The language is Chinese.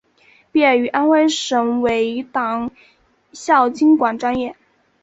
毕业于安徽省委党校经管专业。